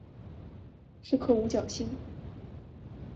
是颗五角星。